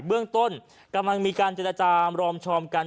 เบื้องต้นกำลังมีการเจรจามรอมชอมกัน